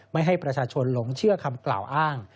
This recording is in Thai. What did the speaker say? ไม่ให้ประชาชนหลงเชื่อคำกล่าวอ้าง